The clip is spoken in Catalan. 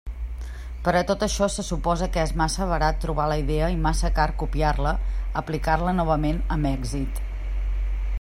Per a tot això se suposa que és massa barat trobar la idea i massa car copiar-la, aplicar-la novament amb èxit.